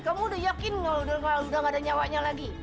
kamu udah yakin nggak udah nggak ada nyawanya lagi